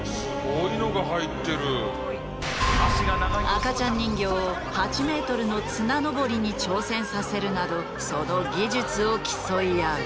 赤ちゃん人形を８メートルの綱登りに挑戦させるなどその技術を競い合う。